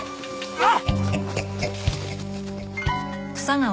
あっ！